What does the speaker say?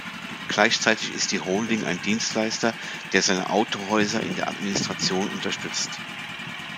Gleichzeitig ist die Holding ein Dienstleister, der seine Autohäuser in der Administration unterstützt.